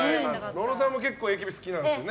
野呂さんも結構ＡＫＢ好きなんですよね？